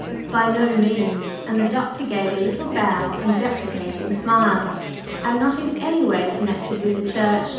"By no means!" and the Doctor gave a little bow and deprecating smile. "I am not in any way connected with the Church.